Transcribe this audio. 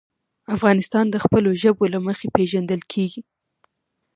افغانستان د خپلو ژبو له مخې پېژندل کېږي.